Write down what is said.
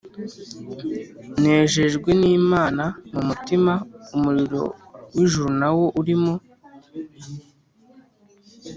Nejejwe n’Imana mu mutima umuriro w’ijuru nawo urimo